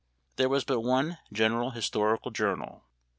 There was but one general historical journal.